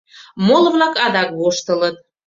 Моло-влак адак воштылыт...